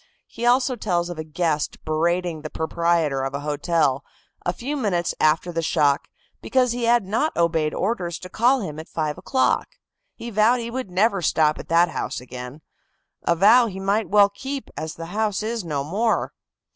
He also tells of a guest berating the proprietor of a hotel, a few minutes after the shock, because he had not obeyed orders to call him at five o'clock. He vowed he would never stop at that house again, a vow he might well keep, as the house is no more.